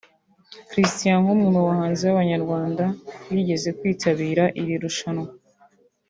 Christian nk’umwe mu bahanzi b’Abanyarwanda bigeze kwitabira iri rushanwa